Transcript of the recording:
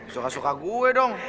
suka suka gue dong